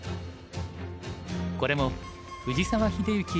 これも藤沢秀行